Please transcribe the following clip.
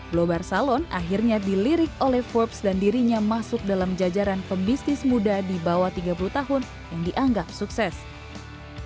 global salon akhirnya dilirik oleh forbes dan dirinya masuk dalam jajaran pembisnis muda di bawah tiga puluh tahun yang dianggap sukses